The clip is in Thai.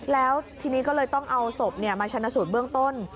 แล้วทีนี้ก็เลยต้องเอาศพมาชนะสูตรเบื้องต้น